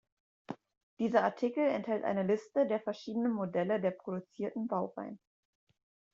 Dieser Artikel enthält eine Liste der verschiedenen Modelle der produzierten Baureihen.